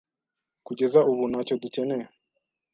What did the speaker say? Kugeza ubu, ntacyo dukeneye.